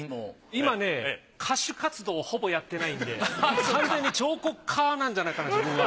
今ね歌手活動をほぼやってないんで完全に彫刻家なんじゃないかな自分は。